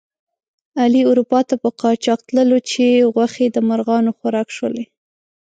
علي اروپا ته په قاچاق تللو چې غوښې د مرغانو خوراک شولې.